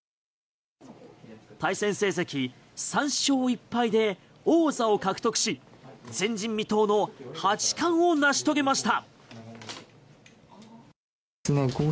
対戦成績３勝１敗で王座を獲得し前人未到の八冠を成し遂げました。